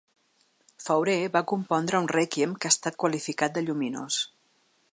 Fauré va compondre un Rèquiem que ha estat qualificat de "lluminós".